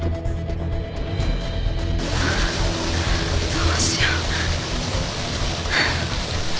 どうしよう。